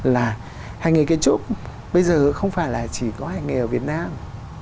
là hành nghề kiến trúc bây giờ không phải là chỉ có hành nghề ở việt nam